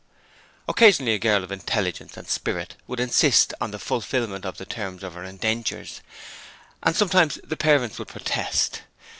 Occasionally a girl of intelligence and spirit would insist on the fulfilment of the terms of her indentures, and sometimes the parents would protest.